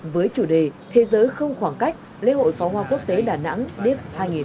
với chủ đề thế giới không khoảng cách lễ hội phó hoa quốc tế đà nẵng div hai nghìn hai mươi ba